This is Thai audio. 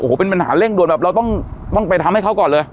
โอ้โหเป็นปัญหาเร่งด่วนแบบเราต้องไปทำให้เขาก่อนเลย